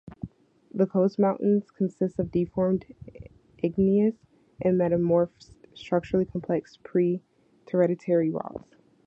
The Coast Mountains consists of deformed igneous and metamorphosed structurally complex pre-Tertiary rocks.